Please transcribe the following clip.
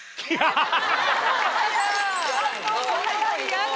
やだ！